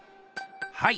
はい。